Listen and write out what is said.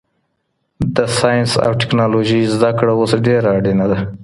د ساینس او ټیکنالوژۍ زده کړه اوس ډېره اړینه ده.